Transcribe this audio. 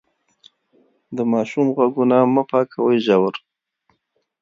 د ماشوم غوږونه مه پاکوئ ژور.